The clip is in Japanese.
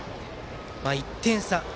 １点差